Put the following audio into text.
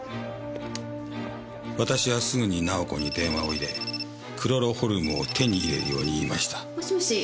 私はすぐに奈緒子に電話を入れクロロホルムを手に入れるように言いました。